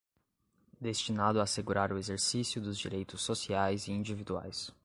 destinado a assegurar o exercício dos direitos sociais e individuais